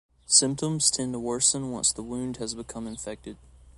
Symptoms tend to worsen once the wound has become infected.